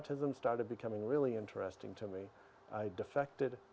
di mana orang orang ini bisa memberikan